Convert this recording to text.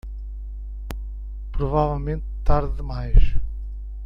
Provavelmente tarde demais